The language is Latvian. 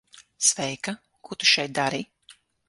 Sveika. Ko tu šeit dari?